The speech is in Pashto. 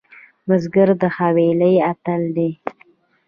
بزګر د خوارۍ اتل دی